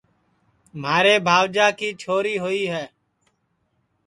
مھارے بھاوجا کی چھوڑی ہوئی ہے